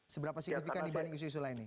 seberapa signifikan dibanding isu isu lainnya